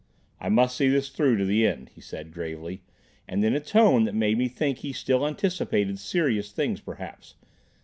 "I must see this through to the end," he said gravely, and in a tone that made me think he still anticipated serious things, perhaps.